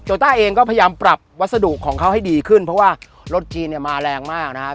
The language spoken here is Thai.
ต้าเองก็พยายามปรับวัสดุของเขาให้ดีขึ้นเพราะว่ารถจีนเนี่ยมาแรงมากนะครับ